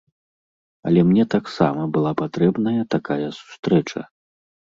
Але мне таксама была патрэбная такая сустрэча.